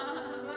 ya udah tau mbak